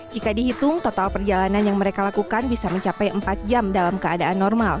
jika dihitung total perjalanan yang mereka lakukan bisa mencapai empat jam dalam keadaan normal